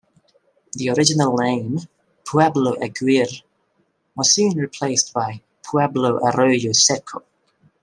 The original name "Pueblo Aguirre" was soon replaced by "Pueblo Arroyo Seco".